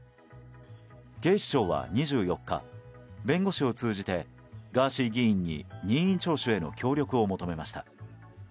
警視庁は２４日、弁護士を通じてガーシー議員に任意聴取への協力を求めました。